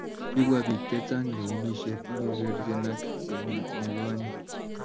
Kibwa pik che chnag lewenishet ingekerchin ak kenyin nikonye